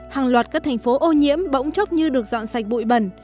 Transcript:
hàng loạt các thành phố ô nhiễm bỗng chốc như được dọn sạch bụi bẩn